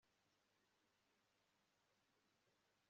ni ryari uheruka gusura nyogokuru